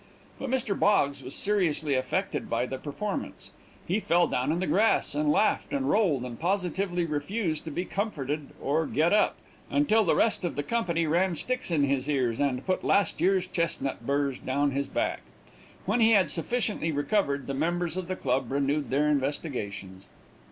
But Mr. Boggs was seriously affected by the performance. He fell down in the grass, and laughed, and rolled, and positively refused to be comforted or get up, until the rest of the company ran sticks in his ears, and put last year's chestnut burs down his back. When he had sufficiently recovered, the members of the club renewed their investigations.